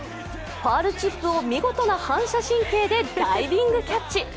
ファウルチップを見事な反射神経でダイビングキャッチ。